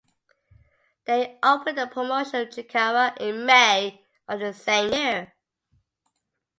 They opened the promotion Chikara in May of the same year.